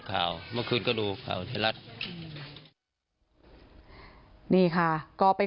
เขาเป็นคนที่ไม่ใช่